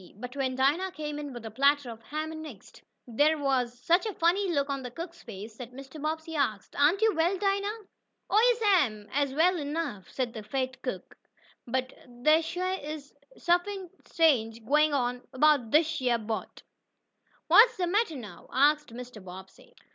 But when Dinah came in with a platter of ham and eggs, there was such a funny look on the cook's face that Mrs. Bobbsey asked: "Aren't you well, Dinah?" "Oh, yes'm, I'se well enough," the fat cook answered. "But dey shuah is suffin strange gwine on abo'd dish yeah boat." "What's the matter now?" asked Mr. Bobbsey.